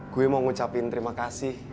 gue mau ngucapin terima kasih